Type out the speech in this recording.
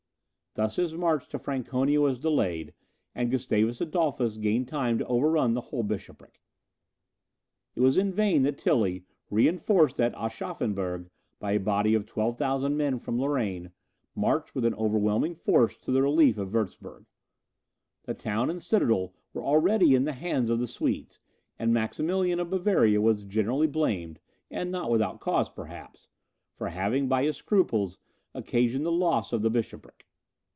Thus his march to Franconia was delayed, and Gustavus Adolphus gained time to overrun the whole bishopric. It was in vain that Tilly, reinforced at Aschaffenburg by a body of 12,000 men from Lorraine, marched with an overwhelming force to the relief of Wurtzburg. The town and citadel were already in the hands of the Swedes, and Maximilian of Bavaria was generally blamed (and not without cause, perhaps) for having, by his scruples, occasioned the loss of the bishopric.